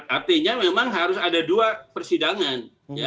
artinya memang harus ada dua persidangan